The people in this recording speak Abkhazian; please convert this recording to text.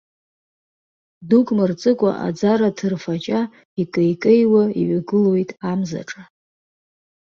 Дук мырҵыкәа аӡара ҭырфаҷа, икеикеиуа иҩагылоит амзаҿа.